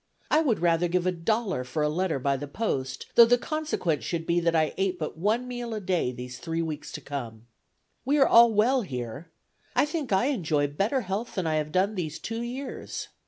I would rather give a dollar for a letter by the post, though the consequence should be that I ate but one meal a day these three weeks to come. ... "We are all well here. I think I enjoy better health than I have done these two years.